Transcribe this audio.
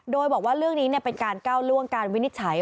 โดยบอกว่าเรื่องนี้เป็นการก้าวล่วงการวินิจฉัย